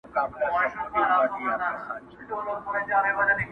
چي سیالي وي د قلم خو نه د تورو.